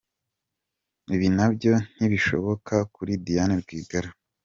Ibi na byo ntibishoboka kuri Diane Rwigara.